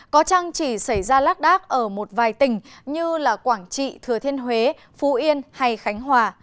có chăng chỉ xảy ra lác đác ở một vài tỉnh như quảng trị thừa thiên huế phú yên hay khánh hòa